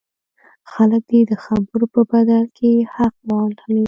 خلک دې د خبرو په بدل کې حق واخلي.